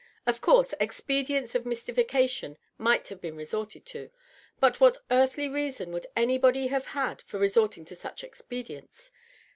Of course expedients of mystification might have been resorted to. But what earthly reason would anybody have had for resorting to such expedients?